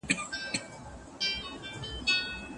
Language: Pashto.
د هلک نظر باید رد نه سي.